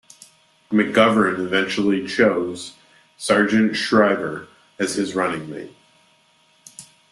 McGovern eventually chose Sargent Shriver as his running mate.